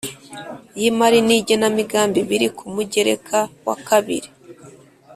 y Imari n Igenamigambi biri ku mugereka wakabiri